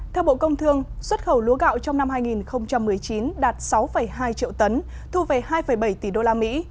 theo bộ công thương xuất khẩu lúa gạo trong năm hai nghìn một mươi chín đạt sáu hai triệu tấn thu về hai bảy tỷ usd